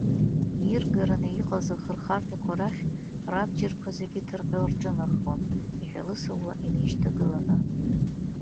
Иргараны иҟаз ахырхарҭақәа рахь рабџьарқәа зегьы ҭырҟьо рҿынархон, иҳәалысылуа инеишьҭагыланы.